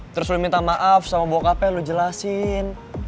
terus lo minta maaf sama bokapnya lo jelasin